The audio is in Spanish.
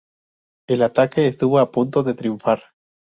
El ataque estuvo a punto de triunfar.